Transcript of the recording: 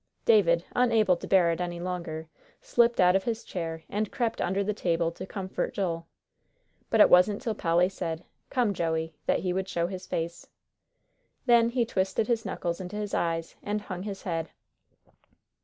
David, unable to bear it any longer, slipped out of his chair, and crept under the table to comfort Joel. But it wasn't till Polly said, "Come, Joey," that he would show his face. Then he twisted his knuckles into his eyes, and hung his head.